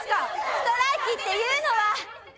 ストライキっていうのは！